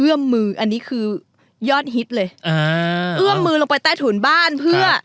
มืออันนี้คือยอดฮิตเลยอ่าเอื้อมมือลงไปใต้ถุนบ้านเพื่อ